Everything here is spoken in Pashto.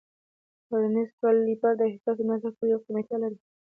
ورنیز کالیپر د حساس اندازه کولو یو قیمتي آله ده.